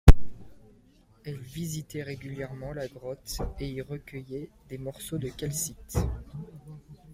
Elle visitait régulièrement la grotte et y recueillait des morceaux de calcite.